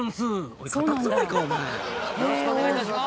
お前よろしくお願いいたします